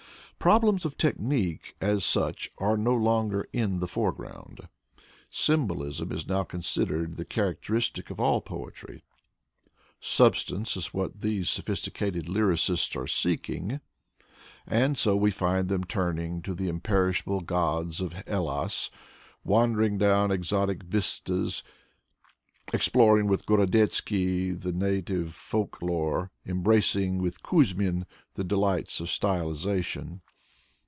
Problems of technique as such are no longer in the foreground. Symbolism is now considered the charac f Introduction xvii teristic of all poetry. Substance is what these sophisti cated lyricists are seeking. And so we find them turning to the imperishable gods of Hellas, wandering down exotic vistas, exploring with Gorodetzky the native folk lore, embracing with Kuzmin the delights of stylization.